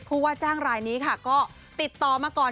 ผู้ว่าจ้างรายนี้ค่ะก็ติดต่อมาก่อน